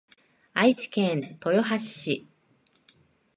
愛知県豊橋市